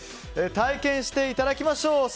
体験していただきましょう。